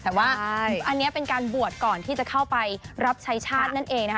แต่ว่าอันนี้เป็นการบวชก่อนที่จะเข้าไปรับใช้ชาตินั่นเองนะคะ